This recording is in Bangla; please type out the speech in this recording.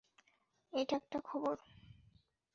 এটা একটা খবর।